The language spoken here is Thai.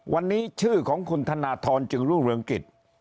วันนี้ชื่อของคุณธนทรจึงรุ่งเรืองกิจ